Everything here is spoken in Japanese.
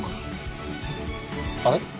あれ？